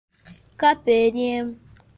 Kkapa eri emu .